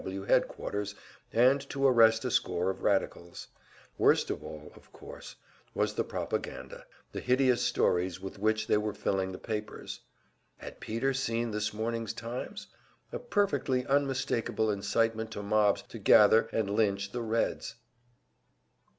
W. W. headquarters, and to arrest a score of radicals. Worst of all, of course, was the propaganda; the hideous stories with which they were filling the papers. Had Peter seen this morning's "Times?" A perfectly unmistakable incitement to mobs to gather and lynch the Reds!